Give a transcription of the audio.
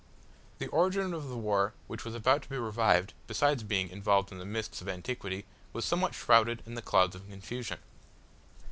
The origin of the war which was about to be revived, besides being involved in the mists of antiquity, was somewhat shrouded in the clouds of confusion.